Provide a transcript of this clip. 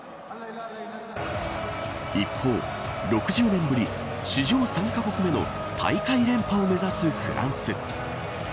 一方、６０年ぶり史上３カ国目の大会連覇を目指すフランス。